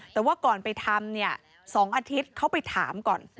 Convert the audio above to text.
แต่ว่าก่อนไปทำเนี่ย๒อาทิตย์เขาไปถามก่อน